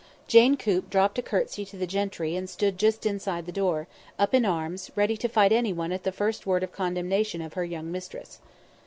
Jane Coop dropped a curtsey to the gentry and stood just inside the door, up in arms, ready to fight anyone at the first word of condemnation of her young mistress.